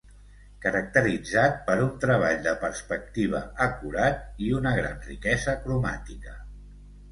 Caracteritzat per un treball de perspectiva acurat i una gran riquesa cromàtica.